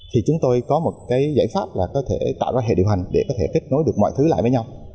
thì chúng tôi có một cái giải pháp là có thể tạo ra hệ điều hành để có thể kết nối được mọi thứ lại với nhau